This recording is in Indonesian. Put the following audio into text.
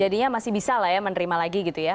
jadinya masih bisa lah ya menerima lagi gitu ya